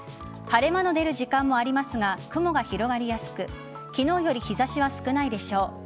晴れ間の出る時間もありますが雲が広がりやすく昨日より日差しは少ないでしょう。